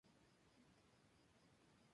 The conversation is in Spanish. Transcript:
Su madre fue Inocencia Navas García.